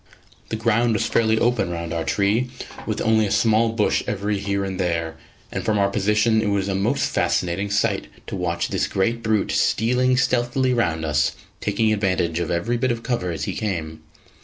The ground was fairly open round our tree, with only a small bush every here and there; and from our position it was a most fascinating sight to watch this great brute stealing stealthily round us, taking advantage of every bit of cover as he came.